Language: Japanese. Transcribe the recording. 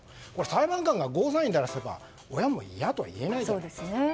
裁判官がゴーサインを出したら親も嫌とは言えないですよね。